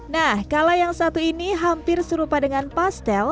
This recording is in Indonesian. nah kalau yang satu ini hampir serupa dengan pastel